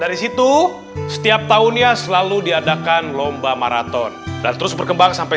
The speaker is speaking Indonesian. dari situ setiap tahunnya selalu diadakan lomba maraton dan terus berkembang sampai